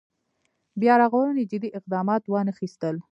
بیا رغونې جدي اقدامات وانخېستل.